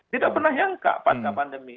tidak pernah yang angka pasca pandemi